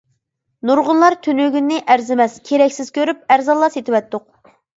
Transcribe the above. نۇرغۇنلار تۈنۈگۈننى ئەرزىمەس، كېرەكسىز كۆرۈپ ئەرزانلا سېتىۋەتتۇق.